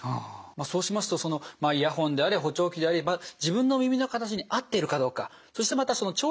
そうしますとイヤホンであれ補聴器であれ自分の耳の形に合っているかどうかそしてまた長時間使用しすぎない